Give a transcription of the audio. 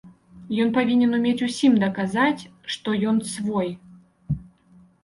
Ён павінен умець усім даказаць, што ён свой.